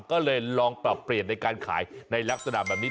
ก็เลยลองปรับเปลี่ยนในการขายในลักษณะแบบนี้